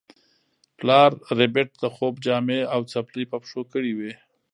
پلار ربیټ د خوب جامې او څپلۍ په پښو کړې وې